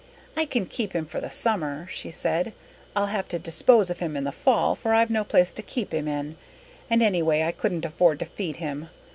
"I can keep him for the summer," she said. "I'll have to dispose of him in the fall for I've no place to keep him in, and anyway I couldn't afford to feed him.